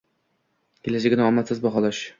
Kelajagini omadsiz baholash